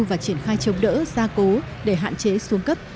và triển khai chống đỡ gia cố để hạn chế xuống cấp